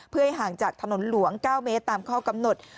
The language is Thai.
เพื่อให้ห่างจากถนนหลวง๙เมตรตามข้อกำหนด